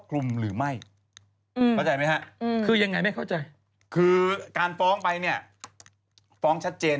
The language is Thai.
ขณะตอนอยู่ในสารนั้นไม่ได้พูดคุยกับครูปรีชาเลย